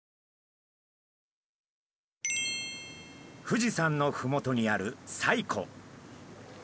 富士山のふもとにある西湖。